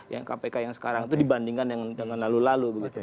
yang kpk yang sekarang itu dibandingkan dengan lalu lalu